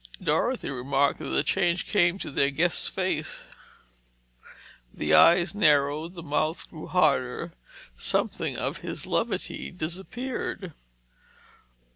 Dorothy remarked the change that came to their guest's face: the eyes narrowed, the mouth grew harder; something of his levity disappeared.